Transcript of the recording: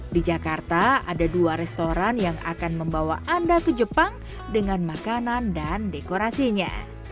di jakarta ada dua restoran yang akan membawa anda ke jepang dengan makanan dan dekorasinya